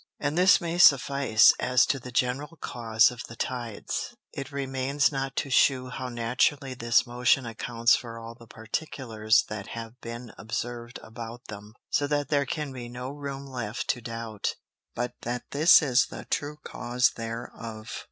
And this may suffice, as to the general Cause of the Tides; it remains now to shew how naturally this Motion accounts for all the Particulars that have been observ'd about them; so that there can be no room left to doubt, but that this is the true cause thereof.